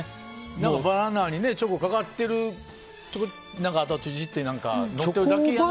バナナにチョコかかってるあとはちょいちょいってのってるだけやのに。